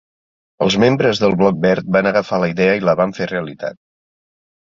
Els membres del Bloc Verd van agafar la idea i la van fer realitat.